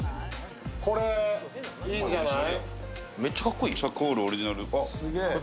これ、いいんじゃない？